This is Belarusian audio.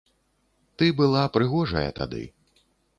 Ты была прыгожая тады.